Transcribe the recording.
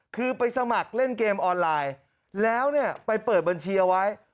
คือไปสมัครเล่นเกมออนไลน์แล้วเนี่ยไปเปิดบัญชีเอาไว้